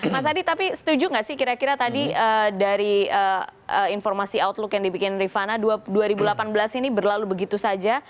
mas adi tapi setuju nggak sih kira kira tadi dari informasi outlook yang dibikin rifana dua ribu delapan belas ini berlalu begitu saja